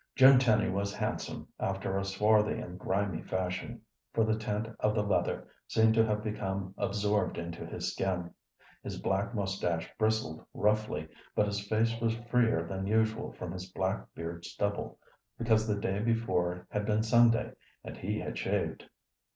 Jim Tenny was handsome after a swarthy and grimy fashion, for the tint of the leather seemed to have become absorbed into his skin. His black mustache bristled roughly, but his face was freer than usual from his black beard stubble, because the day before had been Sunday and he had shaved.